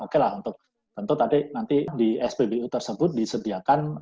oke lah untuk tentu tadi nanti di spbu tersebut disediakan